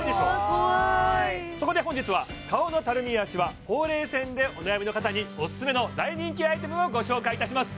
怖いそこで本日は顔のたるみやシワほうれい線でお悩みの方にオススメの大人気アイテムをご紹介いたします